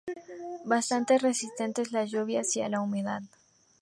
Bastante resistentes a las lluvias, y a la humedad.